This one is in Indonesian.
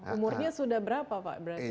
umurnya sudah berapa pak berarti